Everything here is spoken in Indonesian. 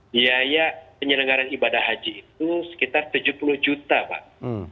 biaya penyelenggaran ibadah haji itu sekitar tujuh puluh juta pak